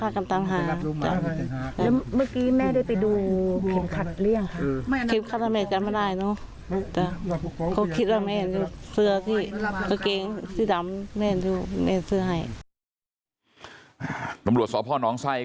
กำลัวสพน้องไส้ก็